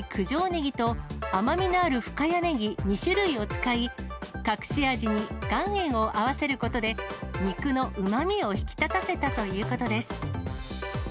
ねぎと、甘みのある深谷ねぎ２種類を使い、隠し味に岩塩を合わせることで、肉のうまみを引き立たせたということです。